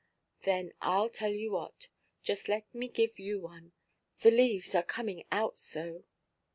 "Then, Iʼll tell you what. Just let me give you one. The leaves are coming out so."